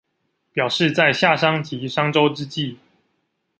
表示在夏商及商周之際